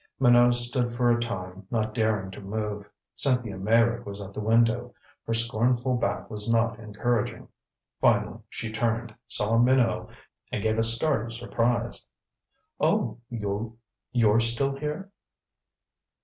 Minot stood for a time, not daring to move. Cynthia Meyrick was at the window; her scornful back was not encouraging. Finally she turned, saw Minot and gave a start of surprise. "Oh you're still here?"